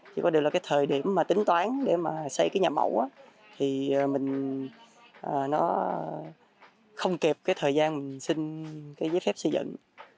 chỉ có điều là thời điểm tính toán để xây nhà mẫu thì không kịp thời gian xin giấy phép xây dựng